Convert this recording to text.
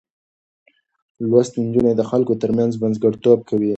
لوستې نجونې د خلکو ترمنځ منځګړتوب کوي.